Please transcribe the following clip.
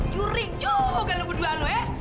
curi juga lu berdua lu eh